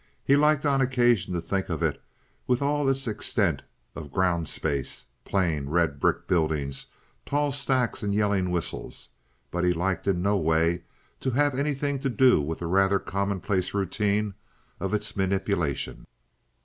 He liked on occasion to think of it with all its extent of ground space, plain red brick buildings, tall stacks and yelling whistles; but he liked in no way to have anything to do with the rather commonplace routine of its manipulation.